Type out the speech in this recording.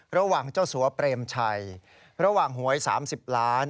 ระหว่างเจ้าสัวเปรมชัยระหว่างหวย๓๐ล้าน